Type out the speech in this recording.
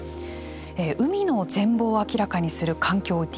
海の全貌を明らかにする環境